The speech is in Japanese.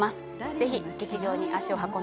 ぜひ劇場に足を運んでください。